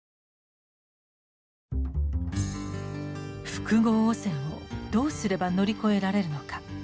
「複合汚染」をどうすれば乗り越えられるのか。